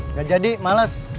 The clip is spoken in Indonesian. nggak jadi males